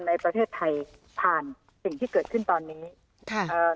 ในประเทศไทยผ่านสิ่งที่เกิดขึ้นตอนนี้ค่ะเอ่อ